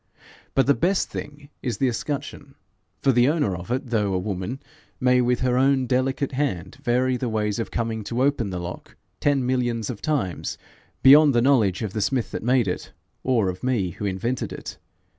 But the best thing is the escutcheon; for the owner of it, though a woman, may with her own delicate hand vary the ways of coming to open the lock ten millions of times, beyond the knowledge of the smith that made it, or of me who invented it.